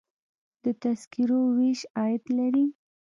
د تذکرو ویش عاید لري